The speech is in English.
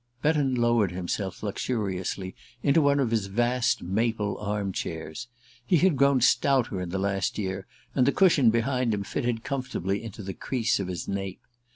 Betton lowered himself luxuriously into one of his vast Maple arm chairs. He had grown stouter in the last year, and the cushion behind him fitted comfortably into the crease of his nape.